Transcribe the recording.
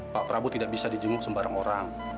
pak prabu tidak bisa dijemuk sembarang orang